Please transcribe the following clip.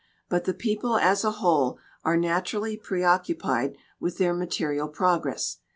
But the people as a whole are natu rally preoccupied with their material progress.